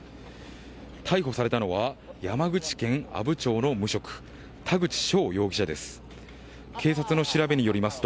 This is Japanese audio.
逮捕されたのは山口県阿武町の無職田口翔容疑者です。